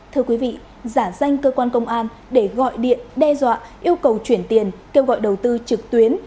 thưa quý vị giả danh cơ quan công an để gọi điện đe dọa yêu cầu chuyển tiền kêu gọi đầu tư trực tuyến